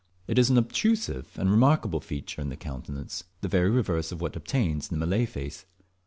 It is an obtrusive and remarkable feature in the countenance, the very reverse of what obtains in the Malay face.